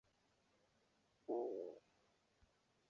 以萨迦是雅各和他第一任妻子利亚的第五个儿子。